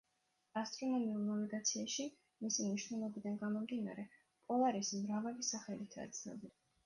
ასტრონომიულ ნავიგაციაში მისი მნიშვნელობიდან გამომდინარე, პოლარისი მრავალი სახელითაა ცნობილი.